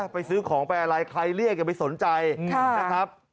ไปซื้อของไปอะไรใครเรียกอย่าไปสนใจนะครับ